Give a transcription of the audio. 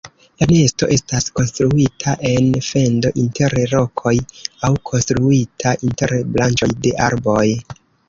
La nesto estas konstruita en fendo inter rokoj aŭ konstruita inter branĉoj de arboj.